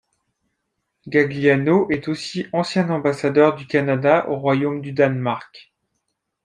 Gagliano est aussi ancien ambassadeur du Canada au Royaume du Danemark.